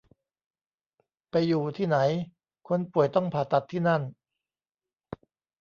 ไปอยู่ที่ไหน คนป่วยต้องผ่าตัดที่นั่น